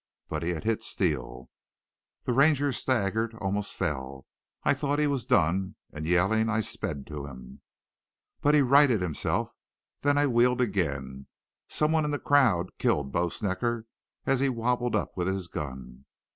But he had hit Steele. "The Ranger staggered, almost fell. I thought he was done, and, yelling, I sped to him. "But he righted himself. Then I wheeled again. Someone in the crowd killed Bo Snecker as he wobbled up with his gun.